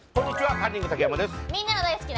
カンニング竹山です。